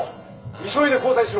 急いで交代しろ！